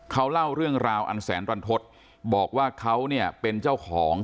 เขาเล่าเรื่องราวอันแสนรันทศบอกว่าเขาเนี่ยเป็นเจ้าของ